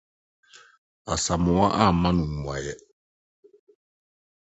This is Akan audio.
Asamoa amma no mmuae.